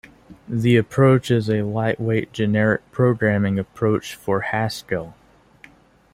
The approach is a lightweight generic programming approach for Haskell.